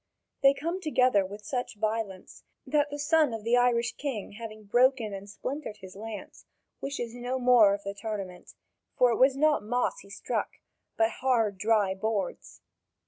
They come together with such violence that the son of the Irish king having broken and splintered his lance, wishes no more of the tournament; for it was not moss he struck, but hard, dry boards.